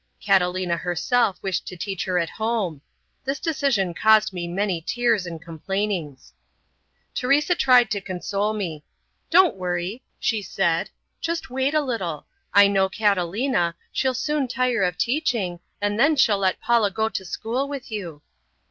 Catalina herself wished to teach her at home. This decision caused me many tears and complainings. Teresa tried to console me. "Don't worry," she said, "just wait a little. I know Catalina, she'll soon tire of teaching, and then she'll let Paula go to school with you."